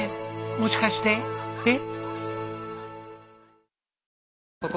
もしかしてえっ？